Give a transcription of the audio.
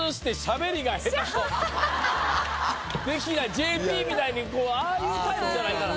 ＪＰみたいにああいうタイプじゃないから。